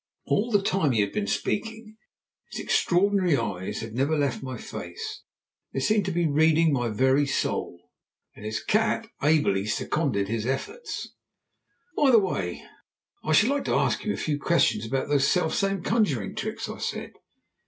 All the time he had been speaking his extraordinary eyes had never left my face; they seemed to be reading my very soul, and his cat ably seconded his efforts. "By the way, I should like to ask you a few questions about those self same conjuring tricks," I said.